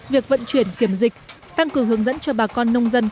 việc vận chuyển kiểm dịch tăng cường hướng dẫn cho bà con nông dân